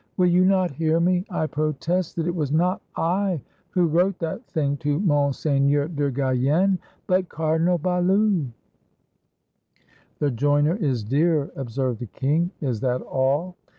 will you not hear me? I protest that it was not I who wrote that thing to Monseigneur de Guyenne, but Cardinal Balue!" "The joiner is dear," observed the king. "Is that all?"